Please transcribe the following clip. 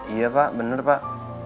iya pak bener pak